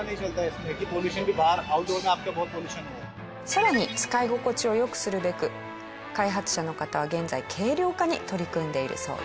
更に使い心地を良くするべく開発者の方は現在軽量化に取り組んでいるそうです。